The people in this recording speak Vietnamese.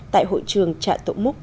tại hội trường trạ tổ múc